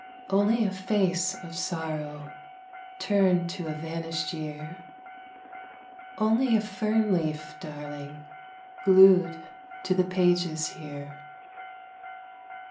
Only a face of sorrow Turned to a vanished year Only a fern leaf, darling, Glued to the pages here.